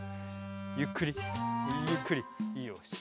ゆっくりゆっくりよし。